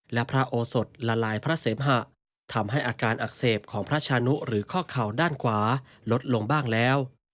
และพระโอสดละลายพระเสมหะทำให้อาการอักเสบของพระชานุหรือข้อเข่าด้านขวาลดลงบ้างแล้ว